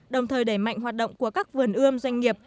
đồng thời đẩy mạnh hoạt động của các vườn ươm doanh nghiệp